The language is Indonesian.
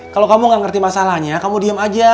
kalau kamu gak ngerti masalahnya kamu diem aja